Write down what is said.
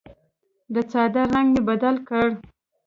د څادر رنګ مې بدل کړ.